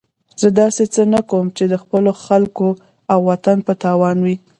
زه داسې څه نه کوم چې د خپلو خلکو او وطن په تاوان وي.